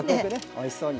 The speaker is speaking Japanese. おいしそうに。